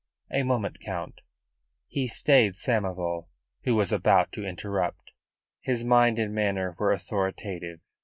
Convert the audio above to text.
A moment, Count," he stayed Samoval, who was about to interrupt. His mind and manner were authoritative.